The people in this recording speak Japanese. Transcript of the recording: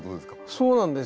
そうなんです。